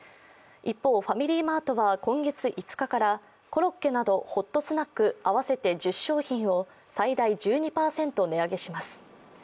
一方、ファミリーマートは今月５日からコロッケなどホットスナック合わせて１０商品を最大１２％値上げします。